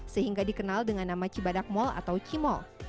sehingga dikenal dengan nama cibadak mall atau cimol